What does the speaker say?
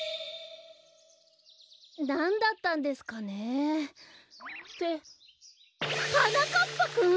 なんだったんですかねってはなかっぱくん！？